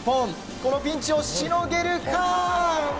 このピンチをしのげるか。